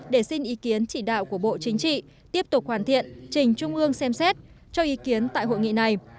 để xin ý kiến chỉ đạo của bộ chính trị tiếp tục hoàn thiện trình trung ương xem xét cho ý kiến tại hội nghị này